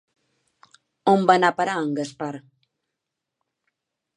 On va anar a parar en Gaspar?